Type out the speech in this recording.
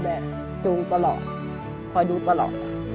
จูงตลอดคอยดูตลอด